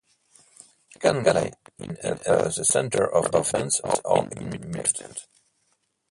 She can play in either the centre of defence or in midfield.